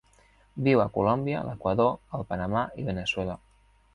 Viu a Colòmbia, l'Equador, el Panamà i Veneçuela.